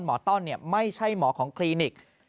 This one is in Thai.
ต้อนไม่ใช่หมอของคลินิก